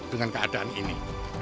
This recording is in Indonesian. dengan keadaan ini